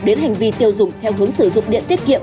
đến hành vi tiêu dùng theo hướng sử dụng điện tiết kiệm